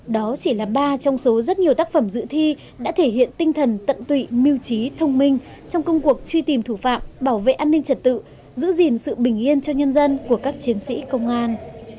đó chỉ là ba trong số rất nhiều tác phẩm dự thi đã thể hiện tinh thần tận tụy mưu trí thông minh trong công cuộc truy tìm thủ phạm bảo vệ an ninh trật tự giữ gìn sự bình yên cho nhân dân của các chiến sĩ công an